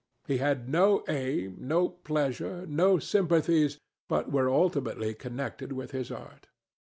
He had no aim, no pleasure, no sympathies, but what were ultimately connected with his art.